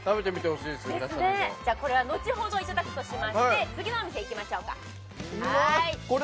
これは後ほどいただくとしまして次のお店、行きましょうか。